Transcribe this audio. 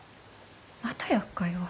またやっかいを。